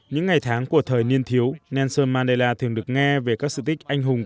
những ngày tháng của thời niên thiếu nelson mandela thường được nghe về các sự tích anh hùng